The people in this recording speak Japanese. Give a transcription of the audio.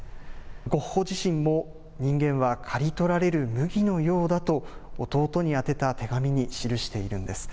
ゴッホ自身も、人間は刈り取られる麦のようなだと、弟に宛てた手紙に記しているんです。